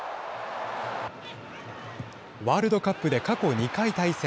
ワールドカップで過去２回対戦。